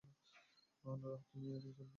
Norah, তুমি কি শুনতে পাচ্ছ?